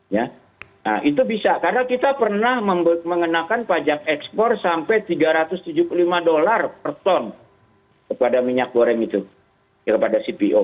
nah itu bisa karena kita pernah mengenakan pajak ekspor sampai tiga ratus tujuh puluh lima dolar per ton kepada minyak goreng itu kepada cpo